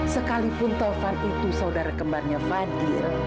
sekalipun tovan itu saudara kembarnya fadil